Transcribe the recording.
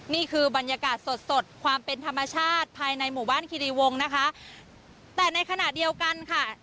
นี่คือบรรยากาศสดสดความเป็นธรรมชาติภายในหมู่บ้านคิริวงศ์นะคะแต่ในขณะเดียวกันค่ะ